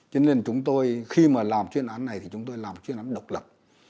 cho nên chúng tôi khi mà làm chuyên án này thì chúng tôi làm chuyên án độc lập